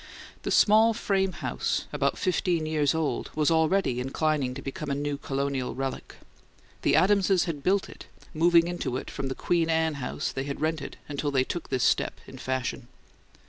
The small frame house, about fifteen years old, was already inclining to become a new Colonial relic. The Adamses had built it, moving into it from the "Queen Anne" house they had rented until they took this step in fashion.